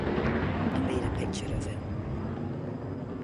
I made a picture of it.